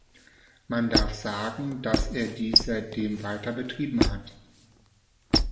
Man darf sagen, dass er dies seitdem weiter betrieben hat.